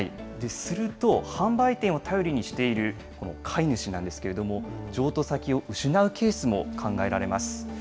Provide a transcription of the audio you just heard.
すると販売店を頼りにしているこの飼い主なんですけれども、譲渡先を失うケースも考えられます。